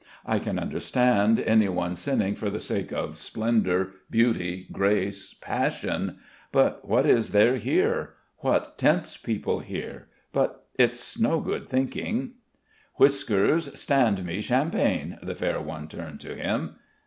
I can understand anyone sinning for the sake of splendour, beauty, grace, passion; but what is there here? What tempts people here? But ... it's no good thinking!" "Whiskers, stand me champagne." The fair one turned to him.